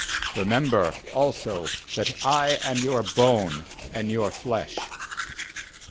remember also that I am your bone and your flesh.'